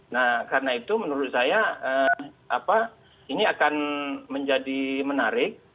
nah karena itu menurut saya ini akan menjadi menarik